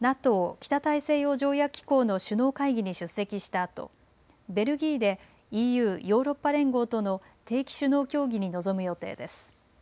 北大西洋条約機構の首脳会議に出席したあとベルギーでＥＵ・ヨーロッパ連合との定期首脳協議に臨む予定です。